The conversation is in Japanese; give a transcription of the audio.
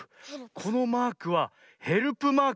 このマークはヘルプマーク。